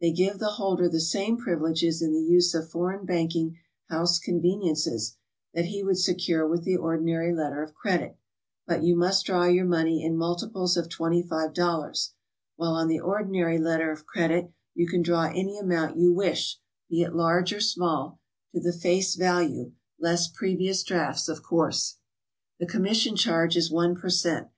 They give the holder the same privileges in the use of foreign banking house conveniences that he would secure with the ordinary letter of credit, but you must draw your money in multi ples of $25, while on the ordinary letter of credit you can draw any amount you wish, be it large or small, to the tace value, less previous drafts, of course. The commission charge is one per cent.